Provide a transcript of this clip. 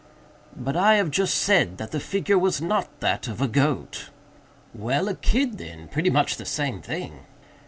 "But I have just said that the figure was not that of a goat." "Well, a kid then—pretty much the same thing."